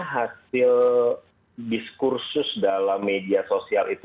hasil diskursus dalam media sosial itu